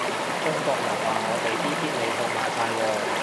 中國人話我哋啲必理痛賣晒喎